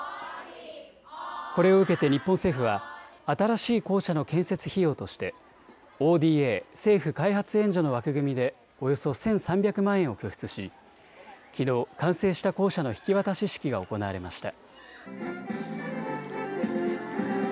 これを受けて日本政府は新しい校舎の建設費用としてＯＤＡ・政府開発援助の枠組みでおよそ１３００万円を拠出しきのう完成した校舎の引き渡し式が行われました。